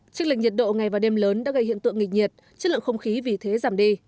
trích lệnh nhiệt độ ngày và đêm lớn đã gây hiện tượng nghịch nhiệt chất lượng không khí vì thế giảm đi